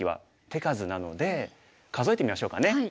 手数なので数えてみましょうかね。